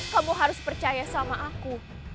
kamu harus percaya sama aku